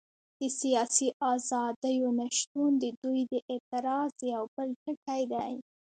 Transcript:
د سیاسي ازادیو نه شتون د دوی د اعتراض یو بل ټکی دی.